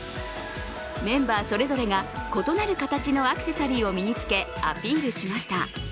メンバーそれぞれが異なる形のアクセサリーを身に着けアピールしました。